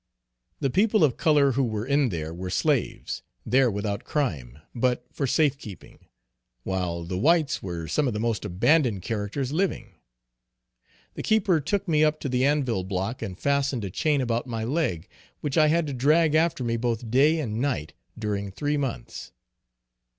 The people of color who were in there were slaves, there without crime, but for safe keeping, while the whites were some of the most abandoned characters living. The keeper took me up to the anvil block and fastened a chain about my leg, which I had to drag after me both day and night during three months.